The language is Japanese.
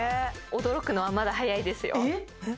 驚くのはまだ早いですよえっ？